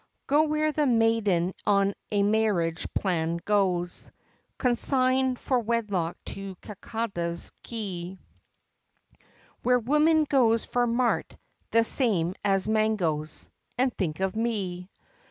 Go where the maiden on a marriage plan goes, Consigned for wedlock to Calcutta's quay, Where woman goes for mart, the same as mangoes, And think of me!